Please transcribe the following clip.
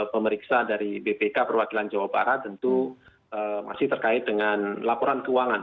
pemeriksa dari bpk perwakilan jawa barat tentu masih terkait dengan laporan keuangan